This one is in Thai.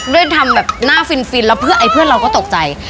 ด้วยทำแบบหน้าฟินแล้วเพื่อนเราก็ตกใจ